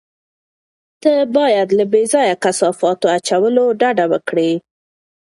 ته باید له بې ځایه کثافاتو اچولو ډډه وکړې.